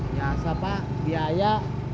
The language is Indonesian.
biasa pak biaya